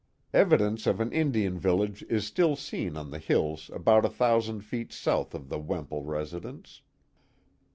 Evidence of an Indian village is still seen on the hills about 1000 feet south of the Wemple residence.